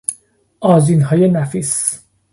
آذینهای نفیس